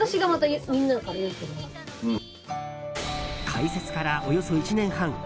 開設からおよそ１年半。